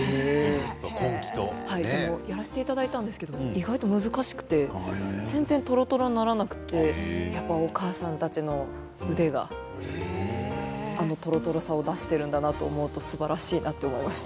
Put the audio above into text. やらせてもらったんですけれども意外と難しくて全然トロトロにならなくてやっぱりお母さんたちの腕があのトロトロさを出しているんだなと思うとすばらしいなと思いました。